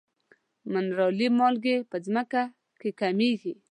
منرالي مالګې په ځمکه کې کمیږي.